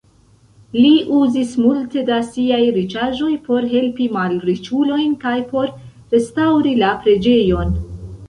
Li uzis multe da siaj riĉaĵoj por helpi malriĉulojn kaj por restaŭri la preĝejon.